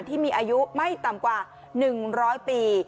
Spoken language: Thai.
ที่มีอายุไม่ต่ำกว่า๑๐๐ปี